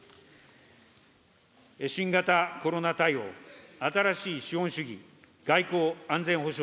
新型コロナ対応、新しい資本主義、外交、安全保障。